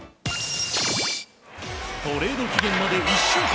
トレード期限まで１週間。